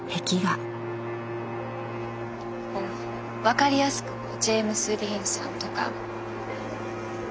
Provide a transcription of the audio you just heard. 分かりやすくジェームス・ディーンさんとか。